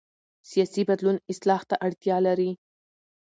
سیاسي بدلون اصلاح ته اړتیا لري